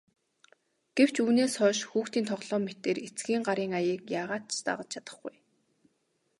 Гэвч үүнээс хойш хүүхдийн тоглоом мэтээр эцгийн гарын аяыг яагаад ч дагаж чадахгүй.